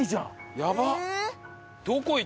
やばっ！